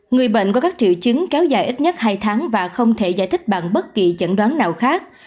người bệnh có các triệu chứng kéo dài ít nhất hai tháng và không thể giải thích bằng bất kỳ chẩn đoán nào khác